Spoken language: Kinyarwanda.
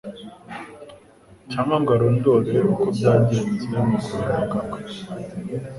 cyangwa ngo arondore uko byagenze mu guhinduka kwe;